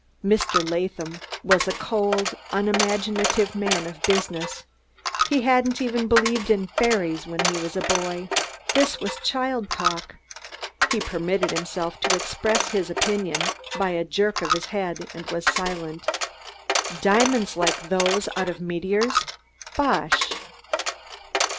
Mr. Latham was a cold, unimaginative man of business; he hadn't even believed in fairies when he was a boy. This was child talk; he permitted himself to express his opinion by a jerk of his head, and was silent. Diamonds like those out of meteors! Bosh!